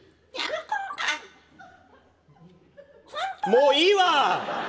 もういいわ！